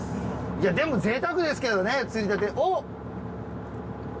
でもぜいたくですけどね釣りたて。